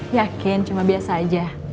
yakin cuma biasa aja